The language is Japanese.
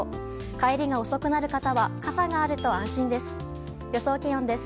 帰りが遅くなる方は傘があると安心です。